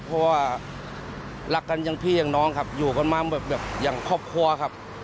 เพราะว่ารักกันอย่างพี่อย่างน้องครับอยู่กันมาแบบอย่างครอบครัวครับ